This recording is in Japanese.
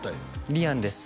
リアンです